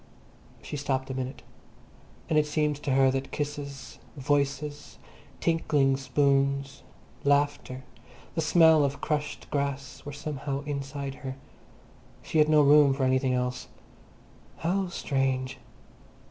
She stopped a minute. And it seemed to her that kisses, voices, tinkling spoons, laughter, the smell of crushed grass were somehow inside her. She had no room for anything else. How strange!